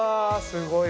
すごい。